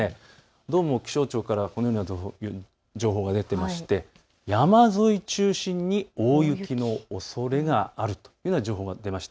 どうも気象庁からはこのような情報が出ていまして山沿い中心に大雪のおそれがあるというような情報が出ていました。